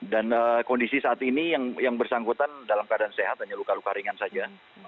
dan kondisi saat ini yang bersangkutan dalam keadaan sehat hanya luka luka ringan saja